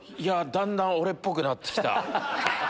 だんだん俺っぽくなって来た。